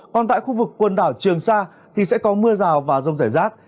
còn tại khu vực quần đảo trường sa thì sẽ có mưa rào và rông rải rác